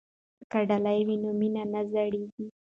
که ډالۍ وي نو مینه نه زړیږي.